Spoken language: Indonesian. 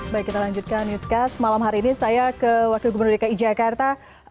baik kita lanjutkan newscast malam hari ini saya ke wakil gubernur dki jakarta